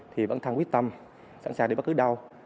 thì bản thân quyết tâm sẵn sàng đi bất cứ đâu